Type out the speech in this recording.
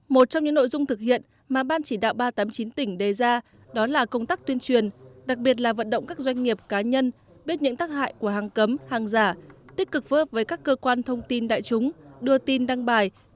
một trong những nội dung thực hiện mà ban chỉ đạo ba trăm tám mươi chín tỉnh đề ra đó là công tác tuyên truyền đặc biệt là vận động các doanh nghiệp cá nhân biết những tác hại của hàng cấm hàng giả tích cực phối hợp với các cơ quan thông tin đại chúng đưa tin đăng bài